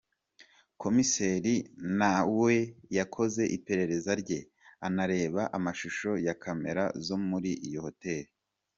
Komiseri na we yakoze iperereza rye, anareba amashusho ya camera zo muri iyo hoteli.